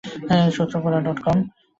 সূত্র Quora dot কম।